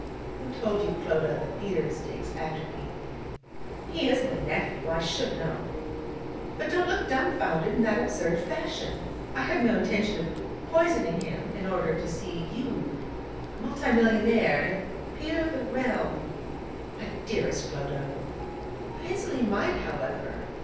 Who told you, Clodagh, that Peters takes atropine?' 'He is my nephew: I should know. But don't look dumbfoundered in that absurd fashion: I have no intention of poisoning him in order to see you a multimillionaire, and a Peer of the Realm....' 'My dearest Clodagh!' 'I easily might, however.